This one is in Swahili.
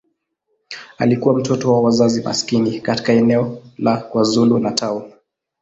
Alikuwa mtoto wa wazazi maskini katika eneo la KwaZulu-Natal.